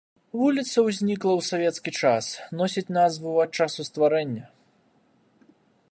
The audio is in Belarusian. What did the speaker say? Вуліца ўзнікла ў савецкі час, носіць назву ад часу стварэння.